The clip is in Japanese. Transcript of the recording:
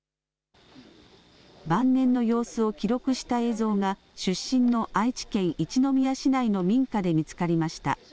晩年の様子を記録した映像が出身の愛知県一宮市内の民家で見つかりました。